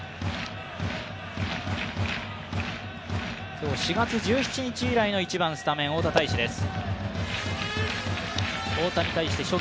今日、４月１７日以来の１番、スタメン、大田泰示です。